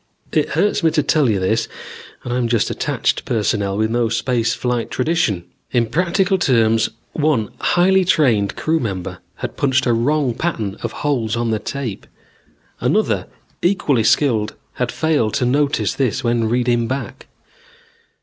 It hurts me to tell you this and I'm just attached personnel with no space flight tradition. In practical terms, one highly trained crew member had punched a wrong pattern of holes on the tape. Another equally skilled had failed to notice this when reading back.